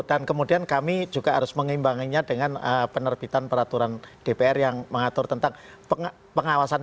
dan kemudian kami juga harus mengimbanginya dengan penerbitan peraturan dpr yang mengatur tentang pengawasan